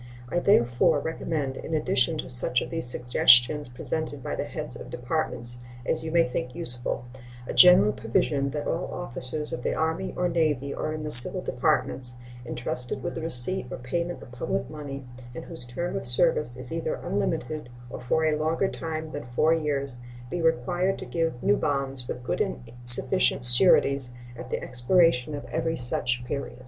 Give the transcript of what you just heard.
I therefore recommend, in addition to such of the suggestions presented by the heads of Departments as you may think useful, a general provision that all officers of the Army or Navy, or in the civil departments, intrusted with the receipt or payment of public money, and whose term of service is either unlimited or for a longer time than four years, be required to give new bonds, with good and sufficient sureties, at the expiration of every such period.